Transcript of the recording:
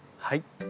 はい。